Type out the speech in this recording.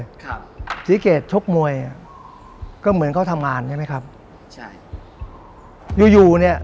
ครับศรีเกตชกมวยอ่ะก็เหมือนเขาทำงานใช่ไหมครับใช่อยู่อยู่เนี้ย